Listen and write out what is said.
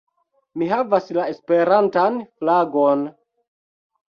Mi havas la Esperantan flagon!